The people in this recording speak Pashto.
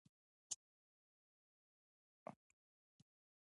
په افغانستان کې د پابندی غرونه د اړتیاوو پوره کولو لپاره اقدامات کېږي.